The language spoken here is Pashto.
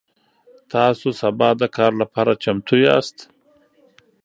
تاسو سبا د کار لپاره چمتو یاست؟